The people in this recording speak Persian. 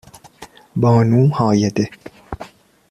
بانو هایده